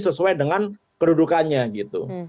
sesuai dengan kedudukannya gitu